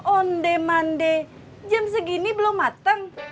onde mande jam segini belum mateng